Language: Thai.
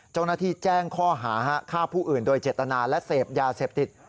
เจ้าหน้าที่แจ้งข้อหาฆ่าผู้อื่นโดยเจตนาและเสพยาเสพติด